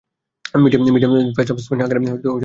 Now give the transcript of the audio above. Medium pace off spin আকারের বোলিং করতেন।